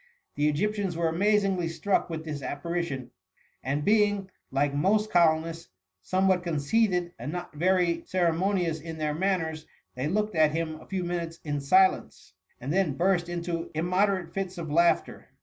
The Egyptians were amazingly strucjc with this apparition, and being, like most colonists, somewhat conceited and not very ceremonious in their manners, they looked at him a few minutes in silence, and then burst into immoderate fits of laughter.